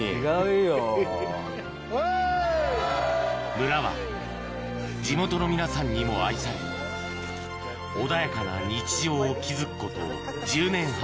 村は地元の皆さんにも愛され穏やかな日常を築くこと１０年半